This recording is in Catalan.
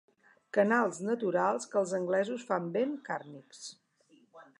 Canals naturals que els anglesos fan ben càrnics.